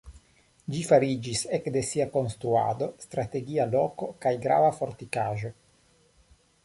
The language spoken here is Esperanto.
Ĝi fariĝis ekde sia konstruado strategia loko kaj grava fortikaĵo.